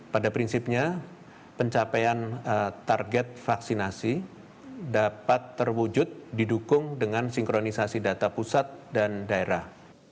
pada prinsipnya pencapaian target vaksinasi dapat terwujud didukung dengan sinkronisasi data pusat dan daerah